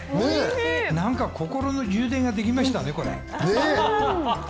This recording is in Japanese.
何か心の充電ができましたね。